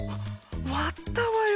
わったわよ